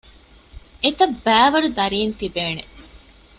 އެތައްބައިވަރު ދަރީން ތިބޭނެ